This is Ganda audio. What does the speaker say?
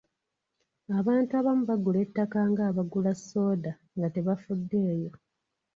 Abantu abamu bagula ettaka ng’abagula ssooda nga tebafuddeeyo.